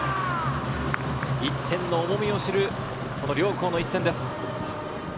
１点の重みを知る両校の一戦です。